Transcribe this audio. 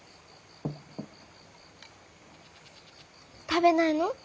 食べないの？